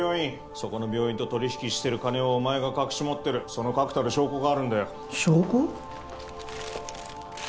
そこの病院と取引してる金をお前が隠し持ってるその確たる証拠があるんだよ証拠？